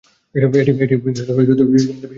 এটি বিংশ শতাব্দীতে বিশুদ্ধ হিসেবে খ্যাতি অর্জন করে।